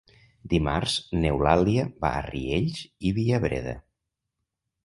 Dimarts n'Eulàlia va a Riells i Viabrea.